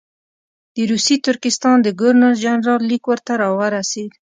د روسي ترکستان د ګورنر جنرال لیک ورته راورسېد.